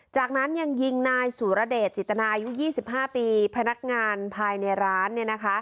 จากนั้นยังยิงนายสุรเดชจิตนาอายุ๒๕ปีพนักงานภายในร้าน